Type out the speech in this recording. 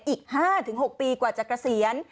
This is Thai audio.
อีก๕๖ปีกว่าจะเกษียณ